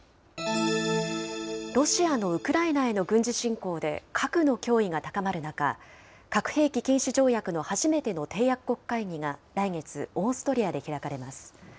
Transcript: ロシアのウクライナへの軍事侵攻で核の脅威が高まる中、核兵器禁止条約の初めての締約国会議が、来月、オーストリアで開かれます。